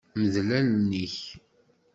Mdel allen-ik.